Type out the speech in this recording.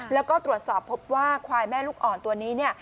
แล้วก็ตรวจสอบพบว่าควายแม่ลูกอ่อนตัวนี้เนี่ย